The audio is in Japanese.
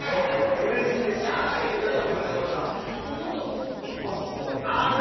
うれしいてしゃあないといったところでしょうか結婚式してもらった気分です